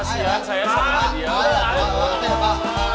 kasian saya sama nadia